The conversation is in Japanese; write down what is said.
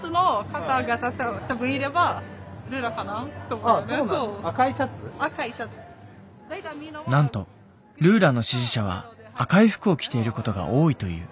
なんとルーラの支持者は赤い服を着ていることが多いという。